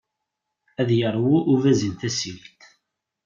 Ad iṛwu ubazin tasilt!